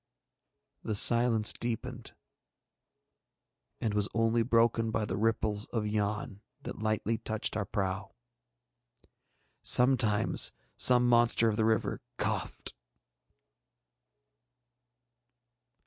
The silence deepened, and was only broken by the ripples of Yann that lightly touched our prow. Sometimes some monster of the river coughed.